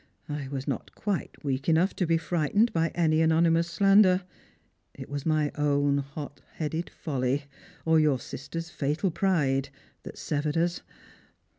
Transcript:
I was not quite weak enough to be frightened by any anonymous slander. It was my own hot headed folly, or your sister'* fatal pride, that severed us.